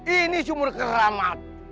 ini sumur keramat